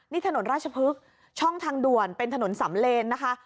นี่ถนนราชพฤกษ์ช่องทางด่วนเป็นถนนสำเลนนะคะ